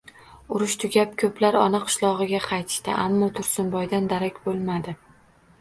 Urush tugab, koʻplar ona qishlogʻiga qaytishdi, ammo Tursunboydan darak boʻlmadi